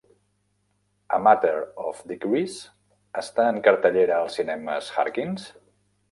"A Matter of Degrees" està en cartellera als cinemes Harkins?